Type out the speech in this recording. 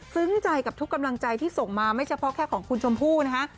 ใจกับทุกกำลังใจที่ส่งมาไม่เฉพาะแค่ของคุณชมพู่นะฮะ